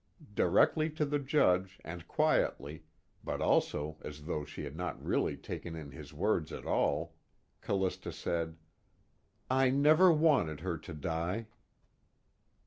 Directly to the Judge, and quietly, but also as though she had not really taken in his words at all, Callista said: "I never wanted her to die."